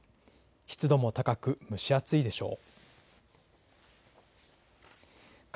湿度も高く蒸し暑いでしょう。